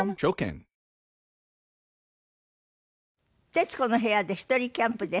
『徹子の部屋』で１人キャンプで。